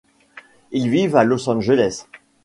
Ils vivent à Los Angeles.